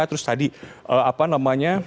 terus tadi apa namanya